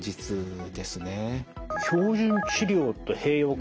「標準治療と併用可」。